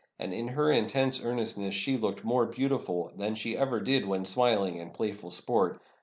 And, in her intense earnestness she looked more beautiful than she ever did when smiUng in playful sport.